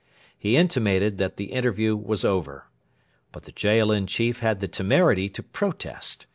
He intimated that the interview was over. But the Jaalin chief had the temerity to protest.